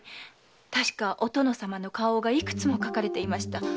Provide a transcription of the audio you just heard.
確かお殿様の花押がいくつも書かれていました。